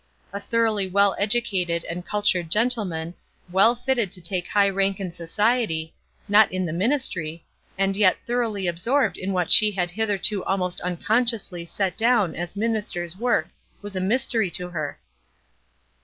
A thoroughly well educated and cultured gentleman, well fitted to take high rank in society, not in the ministry, and yet thoroughly absorbed in what she had hitherto almost unconsciously set down as ministers' work was a mystery to her.